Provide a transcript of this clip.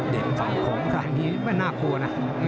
เด็ดฝังของค่ะอันนี้ไม่น่ากลัวนะ